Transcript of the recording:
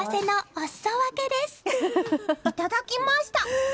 いただきました！